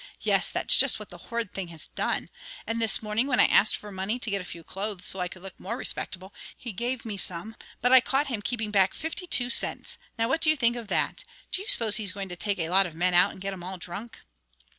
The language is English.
Yes, that's just what the horrid thing has done. And this morning, when I asked for money to get a few clothes, so I could look more respectable, he gave me some, but I caught him keeping back fifty two cents. Now, what do you think of that? Do you suppose he's going to take a lot of men out and get 'em all drunk?'"